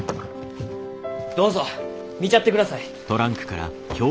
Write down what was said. どうぞ見ちゃってください。